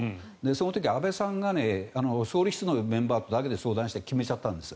その時、安倍さんが総理室のメンバーだけで相談して決めちゃったんです。